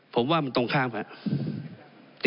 ผมว่ามันตรงข้ามครับ